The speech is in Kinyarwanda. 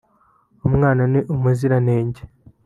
umwana ni umuziranenge